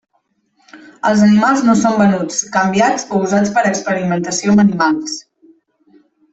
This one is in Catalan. Els animals no són venuts, canviats o usats per a experimentació amb animals.